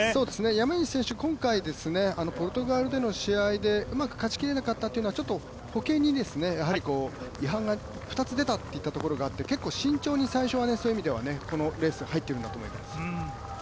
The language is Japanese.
山西選手、今回ポルトガルでの試合でうまく勝ちきれなかったというのはちょっと歩型に違反が２つ出たってこともあって結構慎重に最初はこのレース入っているんだと思います。